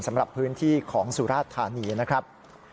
สำหรับพื้นที่ของสุราชธานีนะครับ